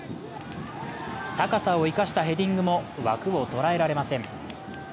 高さを生かしたヘディングも枠を捉えられません。